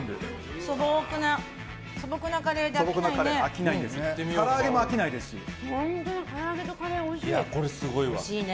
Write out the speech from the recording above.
素朴なカレーで飽きないね。